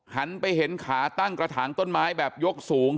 หันไปเห็นขาตั้งกระถางต้นไม้แบบยกสูง